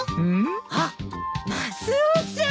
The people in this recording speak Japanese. あっマスオさん！